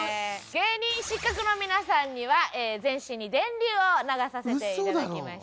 芸人失格の皆さんには全身に電流を流させていただきました。